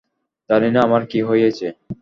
জানি না আমার কী হয়েছে!